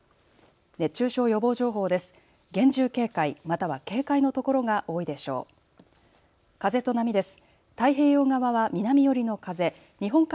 熱中症予防情報です。